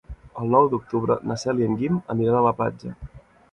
El nou d'octubre na Cel i en Guim aniran a la platja.